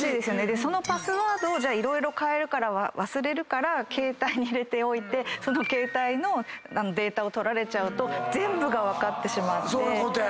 そのパスワードを色々変えるから忘れるから携帯に入れておいてその携帯のデータを取られちゃうと全部が分かってしまって。